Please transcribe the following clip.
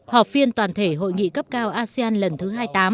họp phiên toàn thể hội nghị cấp cao asean lần thứ hai mươi tám